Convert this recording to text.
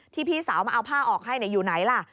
พี่สาวมาเอาผ้าออกให้อยู่ไหนล่ะ